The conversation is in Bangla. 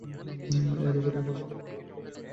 এরই পরিপ্রেক্ষিতে প্লুটো তার গ্রহের মর্যাদা হারায়।